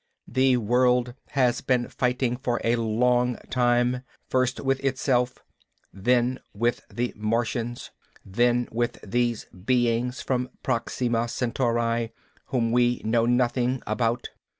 "The world has been fighting for a long time, first with itself, then with the Martians, then with these beings from Proxima Centauri, whom we know nothing about.